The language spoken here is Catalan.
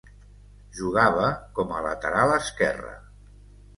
Jugava com a lateral esquerre.